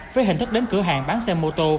với hình thức đến cửa hàng bán xe mô tô